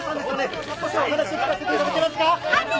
少しお話伺わせていただけますか？